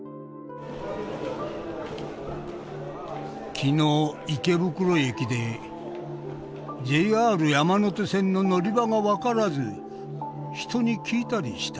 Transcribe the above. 「昨日池袋駅でＪＲ山手線の乗場が分らず人にきいたりした」。